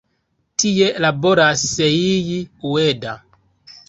Tie laboras Seiji Ueda.